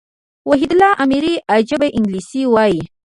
وحيدالله اميري عجبه انګلېسي وايي.